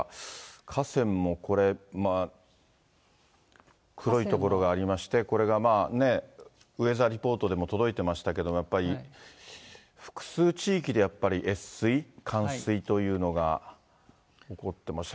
河川もこれ、黒い所がありまして、これがウェザーリポートでも届いてましたけど、やっぱり、複数地域でやっぱり、越水、冠水というのが起こってました。